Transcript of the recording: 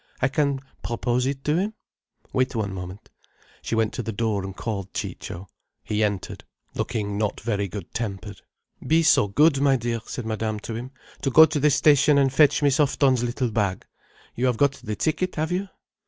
"I can propose it to him. Wait one moment." She went to the door and called Ciccio. He entered, looking not very good tempered. "Be so good, my dear," said Madame to him, "to go to the station and fetch Miss Houghton's little bag. You have got the ticket, have you?"